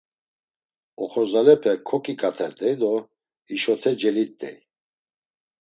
Oxorzalepe ǩoǩiǩatert̆ey do hişote celit̆ey.